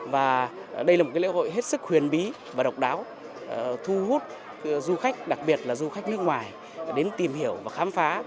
và đây là một lễ hội hết sức huyền bí và độc đáo thu hút du khách đặc biệt là du khách nước ngoài đến tìm hiểu và khám phá